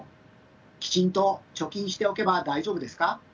きちんと貯金しておけば大丈夫ですか？